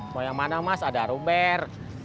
mau yang mana mas ada ruber